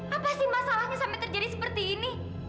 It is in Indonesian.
apa sih masalahnya sampai terjadi seperti ini